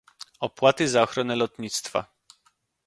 Opłaty za ochronę lotnictwa